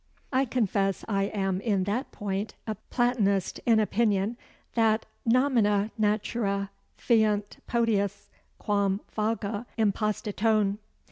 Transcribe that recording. I confess I am in that point a Platonist in opinion, that nomina naturâ fiunt potiùs quam vagâ impositone.